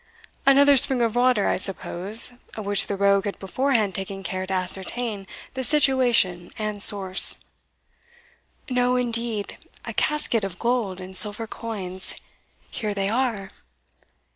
"Another spring of water, I suppose, of which the rogue had beforehand taken care to ascertain the situation and source." "No, indeed a casket of gold and silver coins here they are."